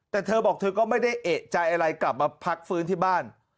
แต่เธอบอกเธอก็ไม่ได้เอกใจอะไรกลับมาพักฟื้นที่บ้าน